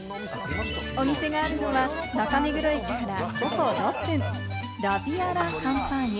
お店があるのは中目黒駅から徒歩６分、ラヴィアラカンパーニュ。